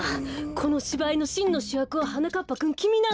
このしばいのしんのしゅやくははなかっぱくんきみなんです。